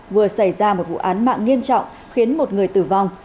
vừa xảy ra một vụ án mạng nghiêm trọng khiến một người tử vong